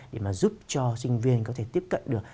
để mà giúp cho sinh viên có thể tiếp cận được